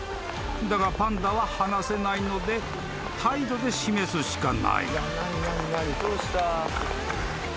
［だがパンダは話せないので態度で示すしかない］